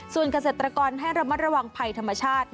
ส่วนเกษตรกรให้ระมัดระวังภัยธรรมชาติ